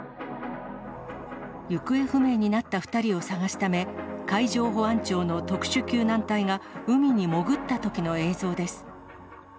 行方不明になった２人を捜すため、海上保安庁の特殊救難隊が海に潜ったときの映像です。